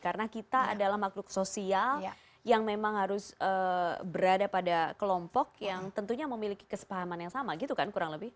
karena kita adalah makhluk sosial yang memang harus berada pada kelompok yang tentunya memiliki kesepahaman yang sama gitu kan kurang lebih